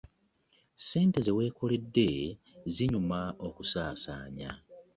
Sente zewekoledde zinyuma okusamsaanya .